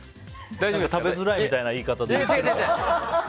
食べづらいみたいな言い方で言ってたから。